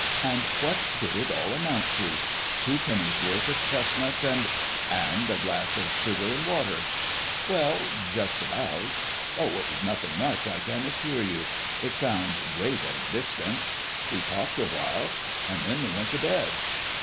And what did it all amount to? Two pennies' worth of chestnuts and " "And a glass of sugar and water." "Well, just about. Oh, it was nothing much, I can assure you! It sounds great at a distance. We talked awhile, and then we went to bed."